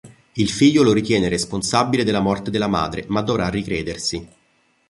Il figlio lo ritiene responsabile della morte della madre, ma dovrà ricredersi.